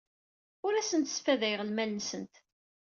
Ur asent-sfadayeɣ lmal-nsent.